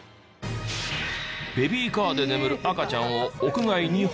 ベビーカーで眠る赤ちゃんを屋外に放置。